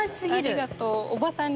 ありがとう。